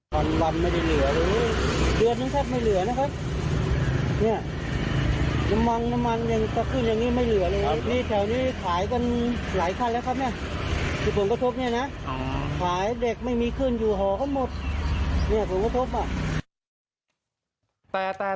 เพราะว่าลูกขึ้นอยู่หอก็หมดเหลือผลหวังคมอะ